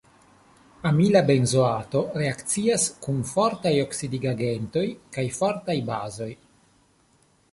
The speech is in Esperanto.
Amila benzoato reakcias kun fortaj oksidigagentoj kaj fortaj bazoj.